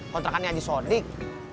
kontrakannya aja sodik